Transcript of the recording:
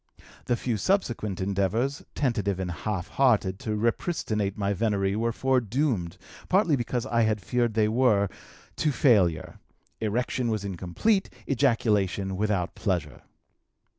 "The few subsequent endeavors, tentative and half hearted, to repristinate my venery were foredoomed, partly because I had feared they were, to failure: erection was incomplete, ejaculation without pleasure.